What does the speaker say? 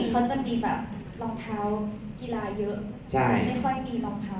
ผมเลยถามมาถึงเลือกที่จะซื้อรองเท้า